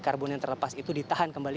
karbon yang terlepas itu ditahan kembali